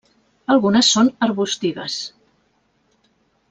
Algunes són arbustives.